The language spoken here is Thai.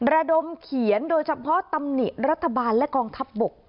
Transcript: ระดมเขียนโดยเฉพาะตำหนิรัฐบาลและกองทัพบก